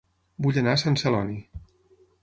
Vull anar a Sant Celoni